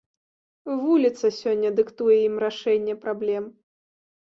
Вуліца сёння дыктуе ім рашэнне праблем.